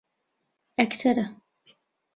ئەکتەرە.